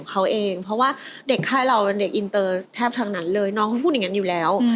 แต่เราจะร้องชัดนะ